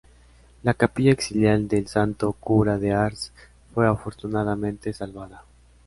La capilla axial del Santo Cura de Ars fue afortunadamente salvada.